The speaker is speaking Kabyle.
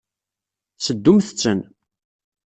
Seddumt-ten.